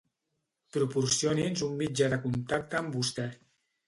Proporcioni'ns un mitjà de contacte amb vostè.